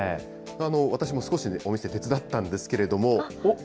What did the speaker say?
私も少し、お店、手伝ったんですけれども。